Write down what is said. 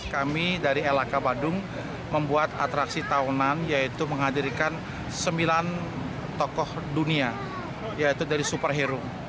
kami dari lhk badung membuat atraksi tahunan yaitu menghadirkan sembilan tokoh dunia yaitu dari superhero